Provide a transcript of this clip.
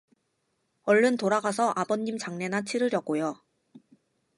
얼른 돌아가서 아버님 장례나 치르려고요.